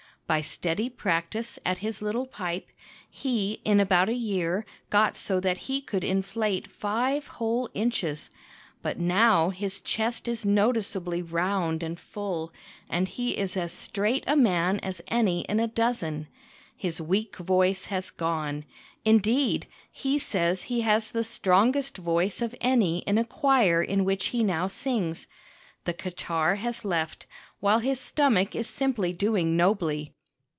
By steady practice at his little pipe, he in about a year got so that he could inflate five whole inches. But now his chest is noticeably round and full, and he is as straight a man as any in a dozen. His weak voice has gone; indeed, he says he has the strongest voice of any in a choir in which he now sings. The catarrh has left, while his stomach is simply doing nobly.